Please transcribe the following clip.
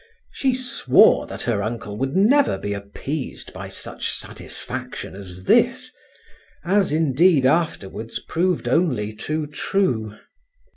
She swore that her uncle would never be appeased by such satisfaction as this, as, indeed, afterwards proved only too true.